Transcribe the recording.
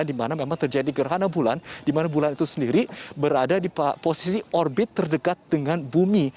di mana memang terjadi gerhana bulan di mana bulan itu sendiri berada di posisi orbit terdekat dengan bumi